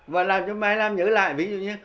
và làm cho mai làm nhớ lại ví dụ như